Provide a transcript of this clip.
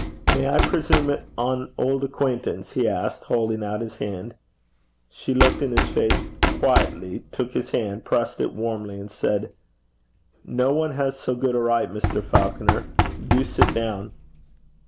'May I presume on old acquaintance?' he asked, holding out his hand. She looked in his face quietly, took his hand, pressed it warmly, and said, 'No one has so good a right, Mr. Falconer. Do sit down.'